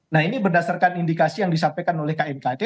nah ini berdasarkan indikasi yang disampaikan oleh kmkg